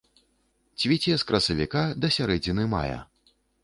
Цвіце з красавіка да сярэдзіны мая.